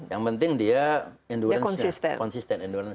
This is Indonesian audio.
yang penting dia endurance nya konsisten endurance